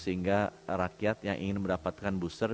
sehingga rakyat yang ingin mendapatkan booster